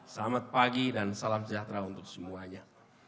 selamat pagi dan salam sejahtera untuk semuanya